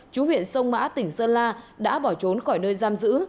chú huyện sông mã tỉnh sơn la đã bỏ trốn khỏi nơi giam giữ